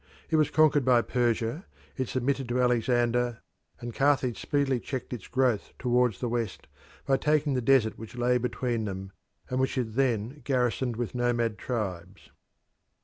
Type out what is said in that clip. It was conquered by Persia, it submitted to Alexander, and Carthage speedily checked its growth towards the west by taking the desert which lay between them, and which it then garrisoned with nomad tribes.